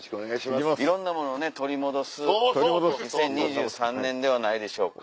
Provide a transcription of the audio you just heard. いろんなものをね取り戻す２０２３年ではないでしょうか。